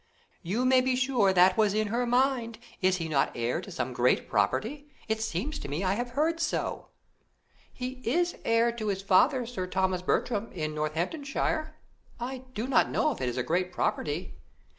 "You may be sure that was in her mind. Is he not heir to some great property? It seems to me I have heard so." "He is heir to his father, Sir Thomas Bertram, in Northamptonshire; I do not know if it is a great property."